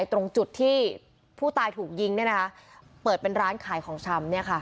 ไอ้ตรงจุดที่ผู้ตายถูกยิงเนี้ยนะคะเปิดเป็นร้านขายของชำเนี้ยค่ะ